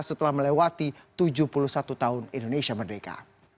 setelah melewati tujuh puluh satu tahun indonesia merdeka